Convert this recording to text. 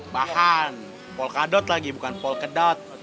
bahan polkadot lagi bukan polkedot